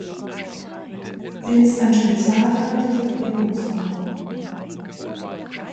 Sie ist ein Spezialfall der Supremumsnorm.